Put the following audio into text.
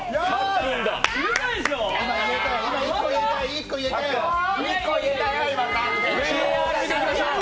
１個言えたよ！